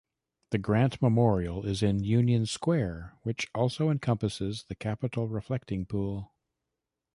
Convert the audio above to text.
The Grant Memorial is in Union Square, which also encompasses the Capitol Reflecting Pool.